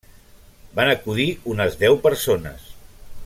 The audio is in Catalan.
Van acudir unes deu persones.